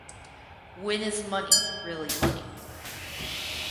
When is money really money?